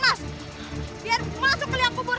mas biar masuk ke liang kubur